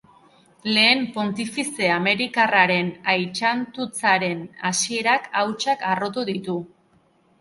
Lehen pontifize amerikarraren aitsantutzaren hasierak hautsak harrotu ditu.